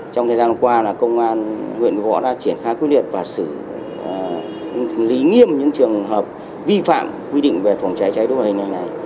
trong thời gian qua công an huyện vũ võ đã triển khai quy định và xử lý nghiêm những trường hợp vi phạm quy định về phòng cháy chữa cháy đối với hình như thế này